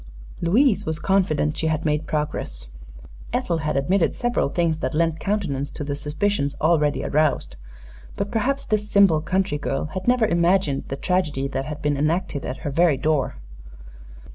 Louise was confident she had made progress. Ethel had admitted several things that lent countenance to the suspicions already aroused; but perhaps this simple country girl had never imagined the tragedy that had been enacted at her very door.